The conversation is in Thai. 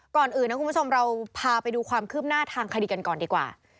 ก่อนอื่นนะคุณผู้ชมเราพาไปดูความคืบหน้าทางคดีกันก่อนดีกว่า